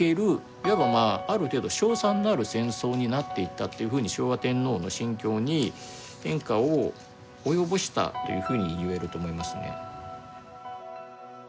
いわばある程度勝算のある戦争になっていったっていうふうに昭和天皇の心境に変化を及ぼしたというふうに言えると思いますね。